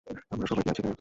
আমরা সবাই কি আছি এখানে?